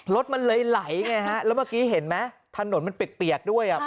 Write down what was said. รถมันเลยไหลไงฮะแล้วเมื่อกี้เห็นไหมถนนมันเปียกด้วย